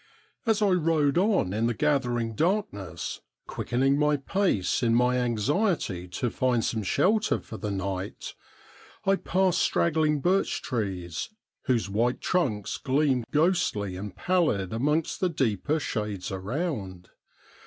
As I rode on in the gathering darkness, quickening my pace in my anxiety to find some shelter for the night, I passed strag gling birch trees, whose white trunks gleamed ghostly and pallid amongst the deeper shades around.